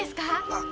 あっ。